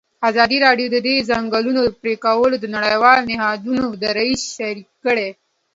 ازادي راډیو د د ځنګلونو پرېکول د نړیوالو نهادونو دریځ شریک کړی.